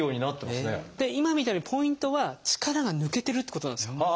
今みたいにポイントは力が抜けてるってことなんですよ。